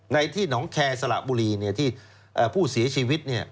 ในน้องแครสละบูรีที่ผู้เสียชีวิต